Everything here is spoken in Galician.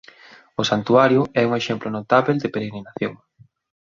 O santuario é un exemplo notábel de peregrinación.